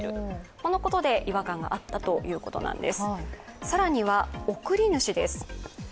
このことで違和感があったということなんです